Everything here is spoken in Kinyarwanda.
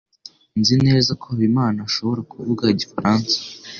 Nzi neza ko Habimana ashobora kuvuga Igifaransa.